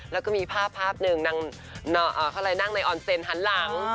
แล้วก็มีภาพนึงนั่งอะไรนั่งในอนเซนต์หันหลัง